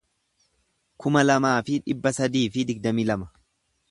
kuma lamaa fi dhibba sadii fi digdamii lama